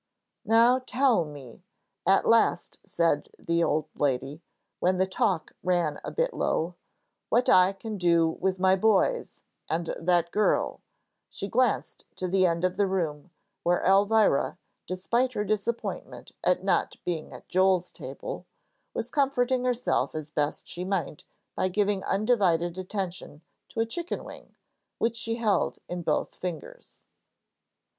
"Now tell me," at last said the old lady, when the talk ran a bit low, "what can I do with the boys? And that girl " she glanced to the end of the room, where Elvira, despite her disappointment at not being at Joel's table, was comforting herself as best she might by giving undivided attention to a chicken wing, which she held in both fingers.